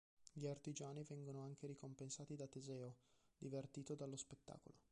Gli artigiani vengono anche ricompensati da Teseo, divertito dallo spettacolo.